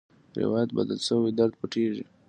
روایت بدل شي، درد پټېږي.